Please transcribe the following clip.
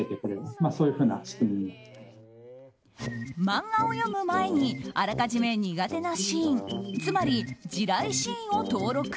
漫画を読む前にあらかじめ苦手なシーンつまり地雷シーンを登録。